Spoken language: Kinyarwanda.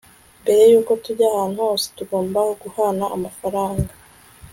mbere yuko tujya ahantu hose, tugomba guhana amafaranga